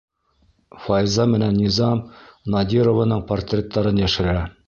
Файза менән Низам Надированың портреттарын йәшерә.